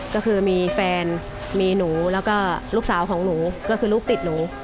ก็คือมีแฟนมีหนูแล้วก็ลูกสาวของหนูก็คือลูกติดหนู